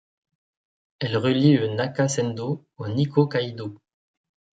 Elle relie le Nakasendō au Nikkō Kaidō.